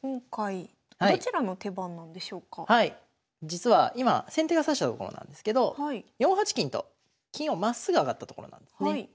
実は今先手が指したところなんですけど４八金と金をまっすぐ上がったところなんですね。